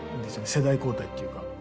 世代交代っていうか。